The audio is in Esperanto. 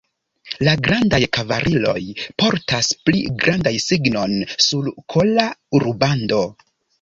La grandaj kavaliroj portas pli grandan signon, sur kola rubando.